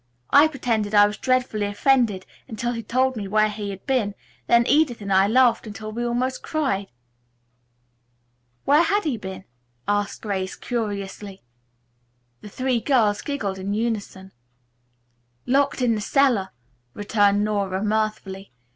I pretended I was dreadfully offended until he told me where he had been, then Edith and I laughed until we almost cried." "Where had he been?" asked Grace curiously. The three girls giggled in unison. "Locked in the cellar," returned Nora mirthfully.